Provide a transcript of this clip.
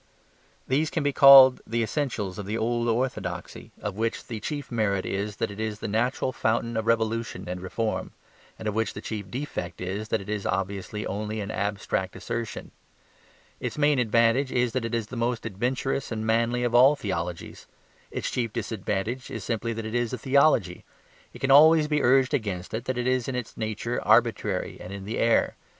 These can be called the essentials of the old orthodoxy, of which the chief merit is that it is the natural fountain of revolution and reform; and of which the chief defect is that it is obviously only an abstract assertion. Its main advantage is that it is the most adventurous and manly of all theologies. Its chief disadvantage is simply that it is a theology. It can always be urged against it that it is in its nature arbitrary and in the air.